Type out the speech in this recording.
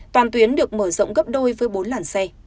toàn tuyến được mở rộng gấp đôi với bốn làn xe